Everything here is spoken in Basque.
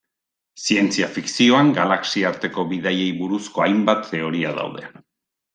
Zientzia-fikzioan galaxiarteko bidaiei buruzko hainbat teoria daude.